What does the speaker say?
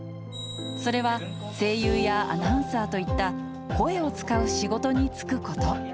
それは、声優やアナウンサーといった声を使う仕事に就くこと。